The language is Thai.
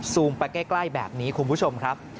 ไปใกล้แบบนี้คุณผู้ชมครับ